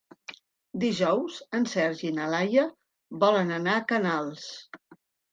Dijous en Sergi i na Laia volen anar a Canals.